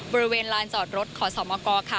บริเวณลานจอดรถขอสอบมก